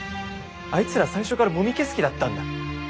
あいつら最初からもみ消す気だったんだ。